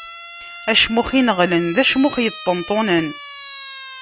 Acmux ineɣlen, d acmux iṭenṭunen.